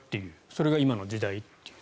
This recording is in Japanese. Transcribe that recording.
それが今の時代という。